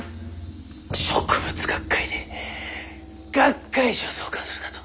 植物学会で学会誌を創刊するだと？